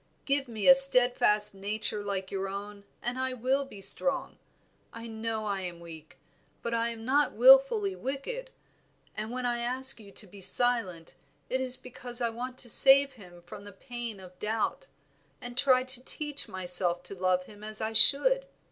Give me a steadfast nature like your own and I will be as strong. I know I am weak, but I am not wilfully wicked; and when I ask you to be silent, it is because I want to save him from the pain of doubt, and try to teach myself to love him as I should.